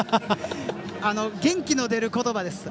元気の出る言葉です。